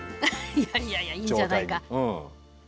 いやいやいやいいんじゃないか。